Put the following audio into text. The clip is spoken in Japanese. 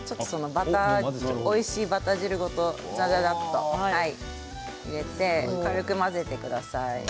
おいしいバター汁ごとざざざっと混ぜてください。